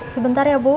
sebentar ya bu